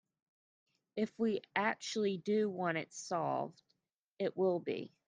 If we actually do want it solved, it will be.